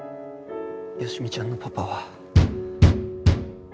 好美ちゃんのパパは。